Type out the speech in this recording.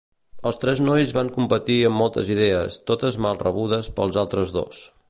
Els tres nois van competir amb moltes idees, totes mal rebudes pels altres dos.